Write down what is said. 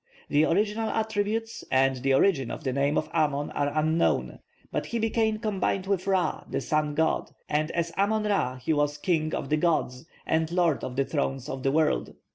The original attributes and the origin of the name of Amon are unknown; but he became combined with Ra, the sun god, and as Amon Ra he was 'king of the gods,' and 'lord of the thrones of the world.'